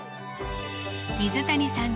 水谷さん